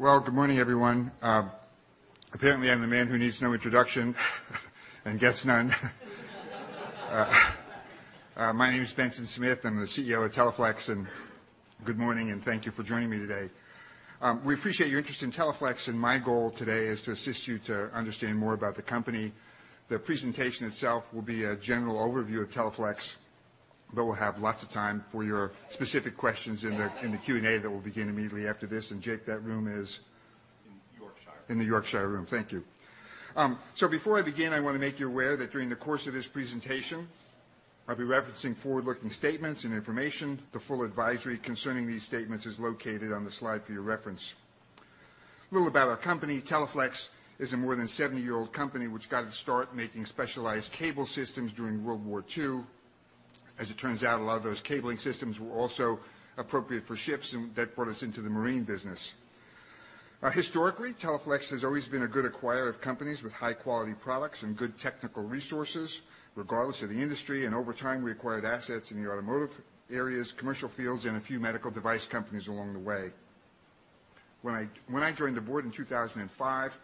Well, good morning, everyone. Apparently, I'm the man who needs no introduction and gets none. My name is Benson Smith. I'm the CEO of Teleflex, good morning, and thank you for joining me today. We appreciate your interest in Teleflex. My goal today is to assist you to understand more about the company. The presentation itself will be a general overview of Teleflex. We'll have lots of time for your specific questions in the Q&A that will begin immediately after this. Jake, that room is in the Yorkshire. In the Yorkshire Room. Thank you. Before I begin, I want to make you aware that during the course of this presentation, I'll be referencing forward-looking statements and information. The full advisory concerning these statements is located on the slide for your reference. A little about our company. Teleflex is a more than 70-year-old company which got its start making specialized cable systems during World War II. As it turns out, a lot of those cabling systems were also appropriate for ships. That brought us into the marine business. Historically, Teleflex has always been a good acquirer of companies with high-quality products and good technical resources, regardless of the industry. Over time, we acquired assets in the automotive areas, commercial fields, and a few medical device companies along the way. When I joined the board in 2005,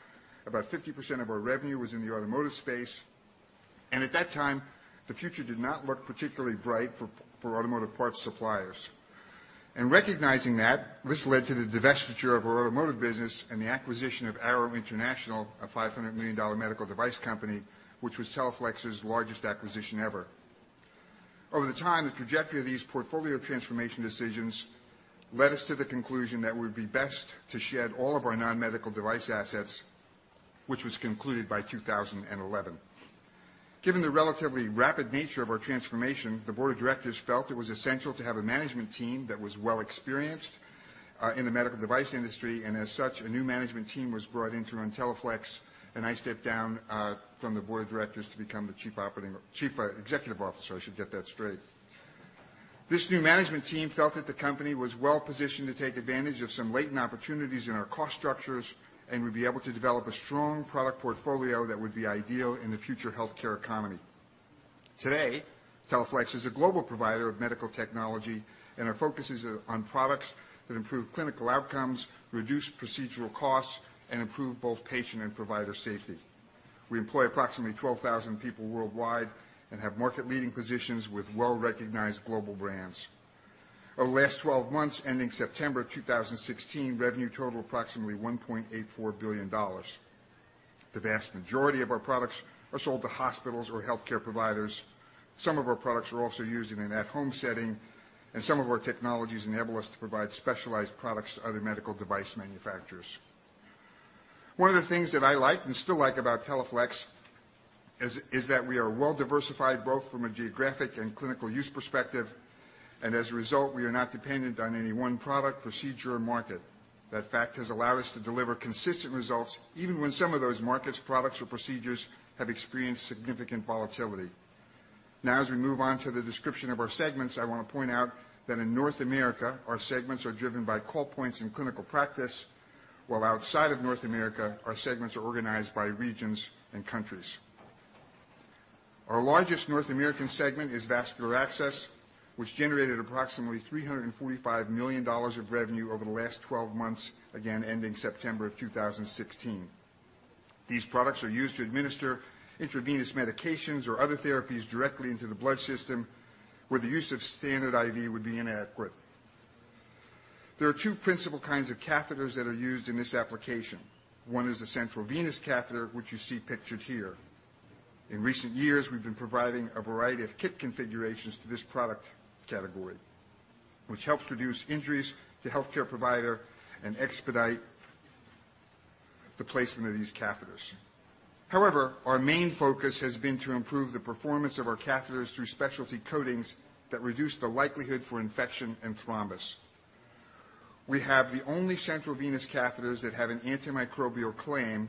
about 50% of our revenue was in the automotive space. At that time, the future did not look particularly bright for automotive parts suppliers. Recognizing that, this led to the divestiture of our automotive business and the acquisition of Arrow International, a $500 million medical device company, which was Teleflex's largest acquisition ever. Over time, the trajectory of these portfolio transformation decisions led us to the conclusion that it would be best to shed all of our non-medical device assets, which was concluded by 2011. Given the relatively rapid nature of our transformation, the board of directors felt it was essential to have a management team that was well experienced in the medical device industry. As such, a new management team was brought in to run Teleflex, and I stepped down from the board of directors to become the chief executive officer, I should get that straight. This new management team felt that the company was well-positioned to take advantage of some latent opportunities in our cost structures and would be able to develop a strong product portfolio that would be ideal in the future healthcare economy. Today, Teleflex is a global provider of medical technology. Our focus is on products that improve clinical outcomes, reduce procedural costs, and improve both patient and provider safety. We employ approximately 12,000 people worldwide and have market-leading positions with well-recognized global brands. Over the last 12 months ending September 2016, revenue totaled approximately $1.84 billion. The vast majority of our products are sold to hospitals or healthcare providers. Some of our products are also used in an at-home setting. Some of our technologies enable us to provide specialized products to other medical device manufacturers. One of the things that I liked and still like about Teleflex is that we are well-diversified, both from a geographic and clinical use perspective. As a result, we are not dependent on any one product, procedure, or market. That fact has allowed us to deliver consistent results even when some of those markets, products, or procedures have experienced significant volatility. As we move on to the description of our segments, I want to point out that in North America, our segments are driven by call points in clinical practice, while outside of North America, our segments are organized by regions and countries. Our largest North American segment is Vascular Access, which generated approximately $345 million of revenue over the last 12 months, again, ending September of 2016. These products are used to administer intravenous medications or other therapies directly into the blood system where the use of standard IV would be inadequate. There are two principal kinds of catheters that are used in this application. One is a central venous catheter, which you see pictured here. In recent years, we've been providing a variety of kit configurations to this product category, which helps reduce injuries to healthcare provider and expedite the placement of these catheters. Our main focus has been to improve the performance of our catheters through specialty coatings that reduce the likelihood for infection and thrombus. We have the only central venous catheters that have an antimicrobial claim, and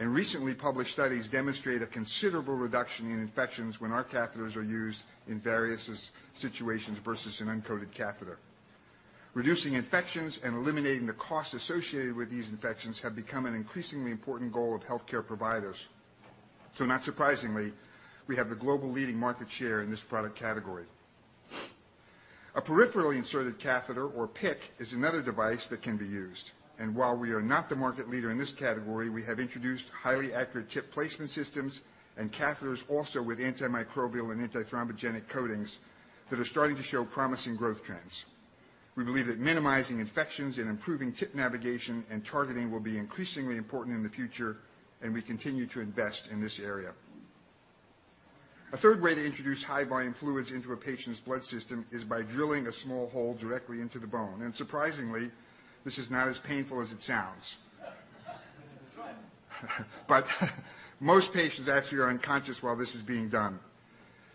recently published studies demonstrate a considerable reduction in infections when our catheters are used in various situations versus an uncoated catheter. Reducing infections and eliminating the cost associated with these infections have become an increasingly important goal of healthcare providers. Not surprisingly, we have the global leading market share in this product category. A peripherally inserted catheter, or PICC, is another device that can be used, while we are not the market leader in this category, we have introduced highly accurate tip placement systems and catheters also with antimicrobial and antithrombogenic coatings that are starting to show promising growth trends. We believe that minimizing infections and improving tip navigation and targeting will be increasingly important in the future, we continue to invest in this area. A third way to introduce high-volume fluids into a patient's blood system is by drilling a small hole directly into the bone, surprisingly, this is not as painful as it sounds. That's right. Most patients actually are unconscious while this is being done.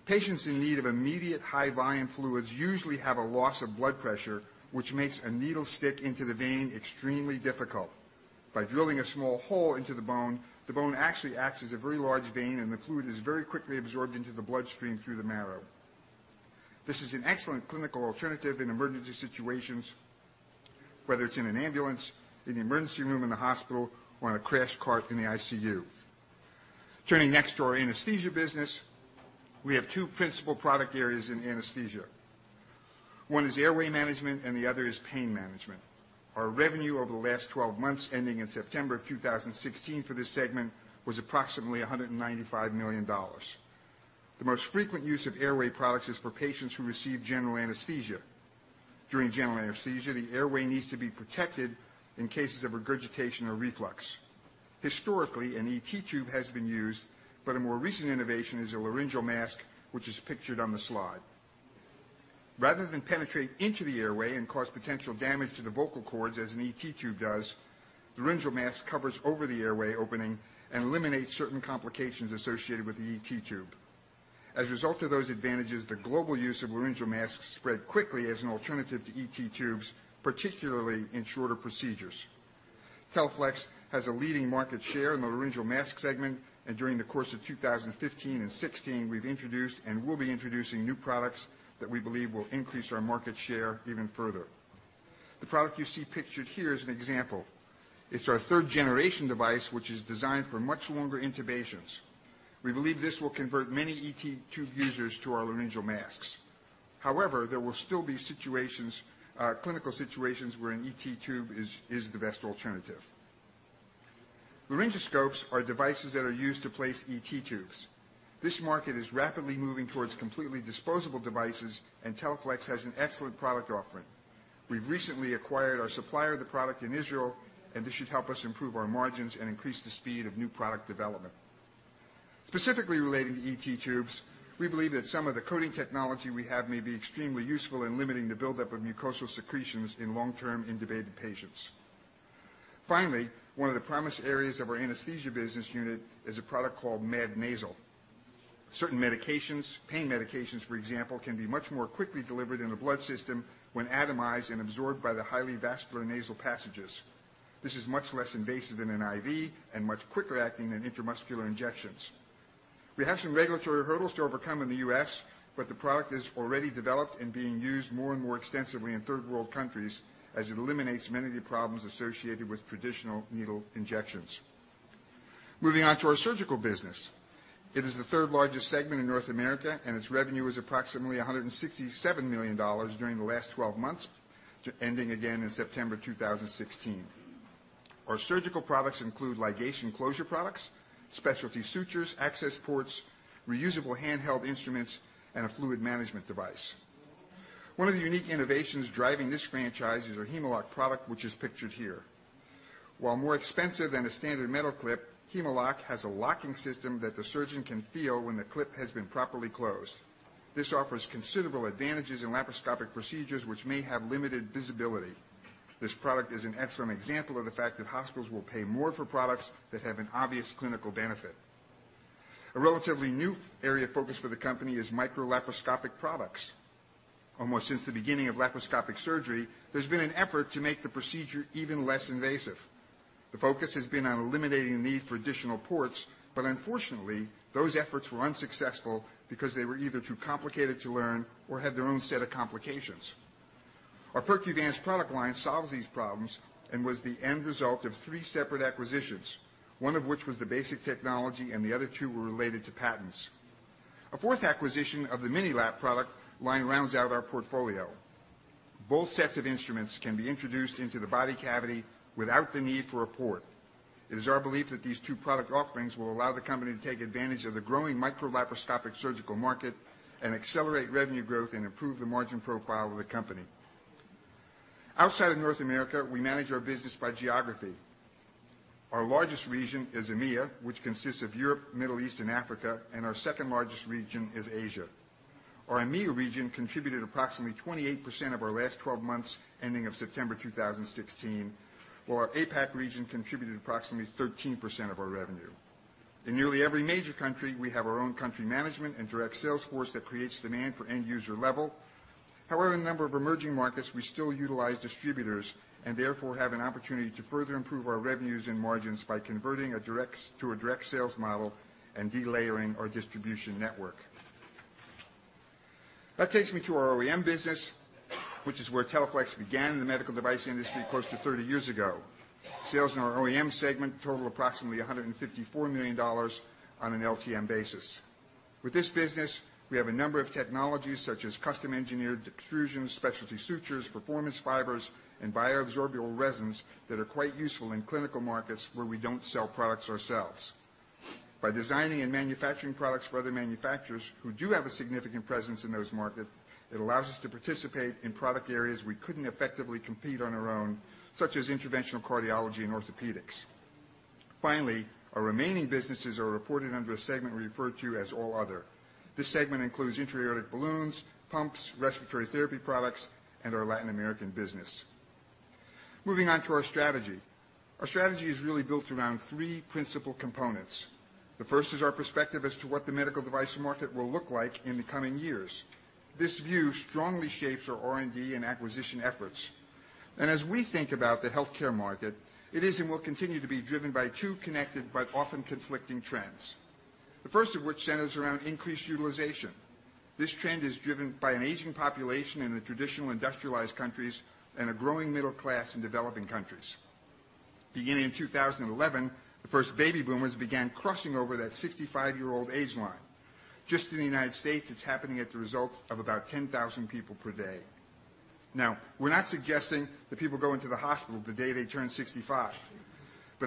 Patients in need of immediate high-volume fluids usually have a loss of blood pressure, which makes a needle stick into the vein extremely difficult. By drilling a small hole into the bone, the bone actually acts as a very large vein, the fluid is very quickly absorbed into the bloodstream through the marrow. This is an excellent clinical alternative in emergency situations, whether it's in an ambulance, in the emergency room in the hospital, or on a crash cart in the ICU. Turning next to our anesthesia business, we have two principal product areas in anesthesia. One is airway management and the other is pain management. Our revenue over the last 12 months, ending in September of 2016 for this segment, was approximately $195 million. The most frequent use of airway products is for patients who receive general anesthesia. During general anesthesia, the airway needs to be protected in cases of regurgitation or reflux. Historically, an ET tube has been used, but a more recent innovation is a laryngeal mask, which is pictured on the slide. Rather than penetrate into the airway and cause potential damage to the vocal cords as an ET tube does, laryngeal mask covers over the airway opening and eliminates certain complications associated with the ET tube. As a result of those advantages, the global use of laryngeal masks spread quickly as an alternative to ET tubes, particularly in shorter procedures. Teleflex has a leading market share in the laryngeal mask segment, and during the course of 2015 and 2016, we've introduced and will be introducing new products that we believe will increase our market share even further. The product you see pictured here is an example. It's our third-generation device, which is designed for much longer intubations. We believe this will convert many ET tube users to our laryngeal masks. There will still be clinical situations where an ET tube is the best alternative. Laryngoscopes are devices that are used to place ET tubes. This market is rapidly moving towards completely disposable devices, Teleflex has an excellent product offering. We've recently acquired our supplier of the product in Israel, this should help us improve our margins and increase the speed of new product development. Specifically relating to ET tubes, we believe that some of the coating technology we have may be extremely useful in limiting the buildup of mucosal secretions in long-term intubated patients. One of the promised areas of our anesthesia business unit is a product called MAD Nasal. Certain medications, pain medications, for example, can be much more quickly delivered in the blood system when atomized and absorbed by the highly vascular nasal passages. This is much less invasive than an IV and much quicker acting than intramuscular injections. We have some regulatory hurdles to overcome in the U.S., the product is already developed and being used more and more extensively in third-world countries as it eliminates many of the problems associated with traditional needle injections. Moving on to our surgical business. It is the third-largest segment in North America, and its revenue was approximately $167 million during the last 12 months, ending again in September 2016. Our surgical products include ligation closure products, specialty sutures, access ports, reusable handheld instruments, and a fluid management device. One of the unique innovations driving this franchise is our Hem-o-lok product, which is pictured here. While more expensive than a standard metal clip, Hem-o-lok has a locking system that the surgeon can feel when the clip has been properly closed. This offers considerable advantages in laparoscopic procedures, which may have limited visibility. This product is an excellent example of the fact that hospitals will pay more for products that have an obvious clinical benefit. A relatively new area of focus for the company is micro laparoscopic products. Almost since the beginning of laparoscopic surgery, there's been an effort to make the procedure even less invasive. The focus has been on eliminating the need for additional ports, unfortunately, those efforts were unsuccessful because they were either too complicated to learn or had their own set of complications. Our Percuvance product line solves these problems and was the end result of 3 separate acquisitions, one of which was the basic technology, and the other two were related to patents. A fourth acquisition of the MiniLap product line rounds out our portfolio. Both sets of instruments can be introduced into the body cavity without the need for a port. It is our belief that these two product offerings will allow the company to take advantage of the growing micro laparoscopic surgical market and accelerate revenue growth and improve the margin profile of the company. Outside of North America, we manage our business by geography. Our largest region is EMEA, which consists of Europe, Middle East, and Africa, and our second-largest region is Asia. Our EMEA region contributed approximately 28% of our last 12 months, ending in September 2016, while our APAC region contributed approximately 13% of our revenue. In nearly every major country, we have our own country management and direct sales force that creates demand for end-user level. However, in a number of emerging markets, we still utilize distributors and therefore have an opportunity to further improve our revenues and margins by converting to a direct sales model and delayering our distribution network. That takes me to our OEM business, which is where Teleflex began in the medical device industry close to 30 years ago. Sales in our OEM segment total approximately $154 million on an LTM basis. With this business, we have a number of technologies such as custom-engineered extrusions, specialty sutures, performance fibers, and bioabsorbable resins that are quite useful in clinical markets where we don't sell products ourselves. By designing and manufacturing products for other manufacturers who do have a significant presence in those markets, it allows us to participate in product areas we couldn't effectively compete on our own, such as interventional cardiology and orthopedics. Finally, our remaining businesses are reported under a segment we refer to as All Other. This segment includes intra-aortic balloons, pumps, respiratory therapy products, and our Latin American business. Moving on to our strategy. Our strategy is really built around 3 principal components. The first is our perspective as to what the medical device market will look like in the coming years. This view strongly shapes our R&D and acquisition efforts. As we think about the healthcare market, it is and will continue to be driven by two connected but often conflicting trends, the first of which centers around increased utilization. This trend is driven by an aging population in the traditional industrialized countries and a growing middle class in developing countries. Beginning in 2011, the first baby boomers began crossing over that 65-year-old age line. Just in the U.S., it's happening at the result of about 10,000 people per day. Now, we're not suggesting that people go into the hospital the day they turn 65.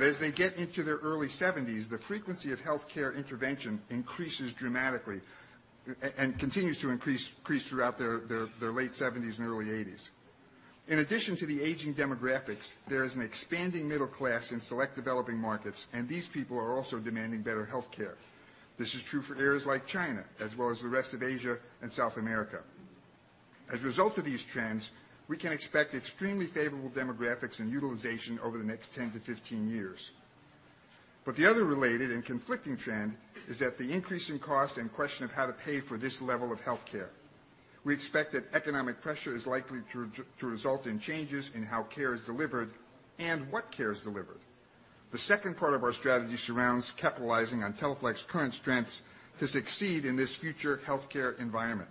As they get into their early 70s, the frequency of healthcare intervention increases dramatically, and continues to increase throughout their late 70s and early 80s. In addition to the aging demographics, there is an expanding middle class in select developing markets, and these people are also demanding better healthcare. This is true for areas like China, as well as the rest of Asia and South America. As a result of these trends, we can expect extremely favorable demographics and utilization over the next 10-15 years. The other related and conflicting trend is that the increase in cost and question of how to pay for this level of healthcare. We expect that economic pressure is likely to result in changes in how care is delivered, and what care is delivered. The second part of our strategy surrounds capitalizing on Teleflex current strengths to succeed in this future healthcare environment.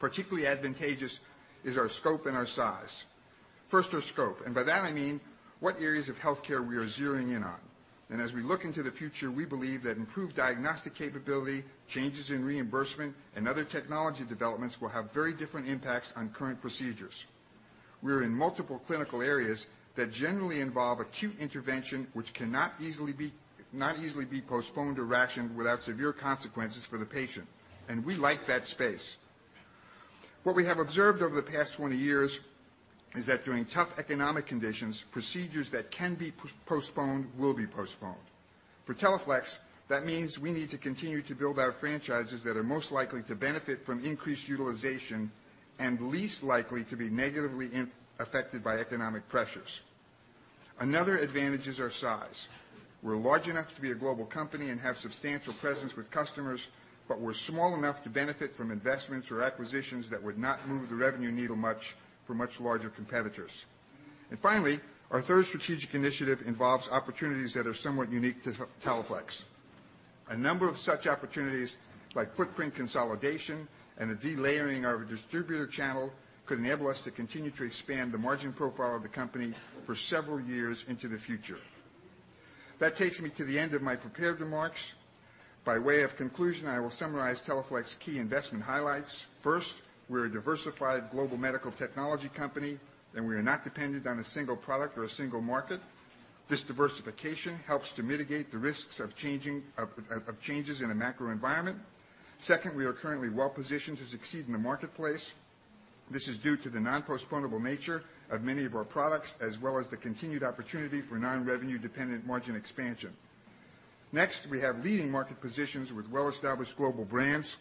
Particularly advantageous is our scope and our size. First, our scope, by that I mean what areas of healthcare we are zeroing in on. As we look into the future, we believe that improved diagnostic capability, changes in reimbursement, and other technology developments will have very different impacts on current procedures. We are in multiple clinical areas that generally involve acute intervention which cannot easily be postponed or rationed without severe consequences for the patient, and we like that space. What we have observed over the past 20 years is that during tough economic conditions, procedures that can be postponed will be postponed. For Teleflex, that means we need to continue to build our franchises that are most likely to benefit from increased utilization and least likely to be negatively affected by economic pressures. Another advantage is our size. We're large enough to be a global company and have substantial presence with customers, but we're small enough to benefit from investments or acquisitions that would not move the revenue needle much for much larger competitors. Finally, our third strategic initiative involves opportunities that are somewhat unique to Teleflex. A number of such opportunities, like footprint consolidation and the delayering of a distributor channel, could enable us to continue to expand the margin profile of the company for several years into the future. That takes me to the end of my prepared remarks. By way of conclusion, I will summarize Teleflex key investment highlights. First, we're a diversified global medical technology company, and we are not dependent on a single product or a single market. This diversification helps to mitigate the risks of changes in a macro environment. Second, we are currently well-positioned to succeed in the marketplace. This is due to the non-postponable nature of many of our products, as well as the continued opportunity for non-revenue-dependent margin expansion. Next, we have leading market positions with well-established global brands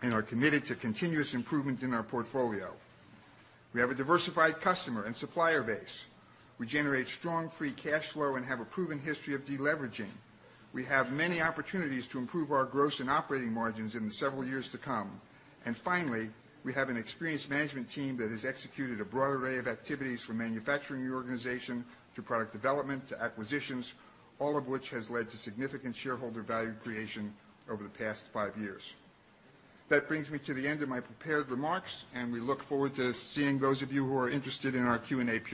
and are committed to continuous improvement in our portfolio. We have a diversified customer and supplier base. We generate strong free cash flow and have a proven history of deleveraging. We have many opportunities to improve our gross and operating margins in the several years to come. Finally, we have an experienced management team that has executed a broad array of activities from manufacturing reorganization to product development to acquisitions, all of which has led to significant shareholder value creation over the past five years. That brings me to the end of my prepared remarks, and we look forward to seeing those of you who are interested in our Q&A period